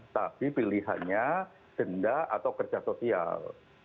tapi pilihannya denda atau kerja sosial